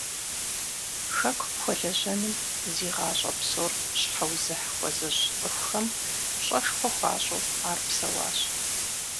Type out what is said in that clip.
Хэкум хуэлэжьэным зи гъащӀэ псор щхьэузыхь хуэзыщӀ цӀыхухэм пщӀэшхуэ хуащӀу ар псэуащ.